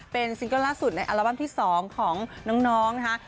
เป็นซิงเกิลล่าสุดในอัลบั้มที่๒ของน้องนะคะ